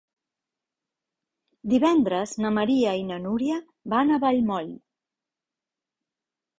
Divendres na Maria i na Núria van a Vallmoll.